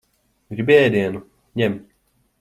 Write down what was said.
Gribi ēdienu? Ņem.